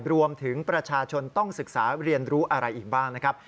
รวมถึงประชาชนต้องศึกษาเรียนรู้อะไรอีกบ้างนะครับ